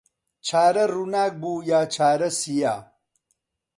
چارە ڕووناک بوو یا چارە سیا